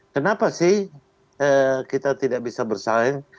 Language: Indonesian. kenapa sih kita tidak bisa bersaing